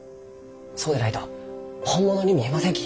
そうでないと本物に見えませんき。